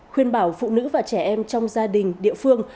khuyên bảo phụ nữ và trẻ em trong gia đình địa phương